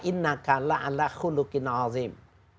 informasi qur'ani mengatakan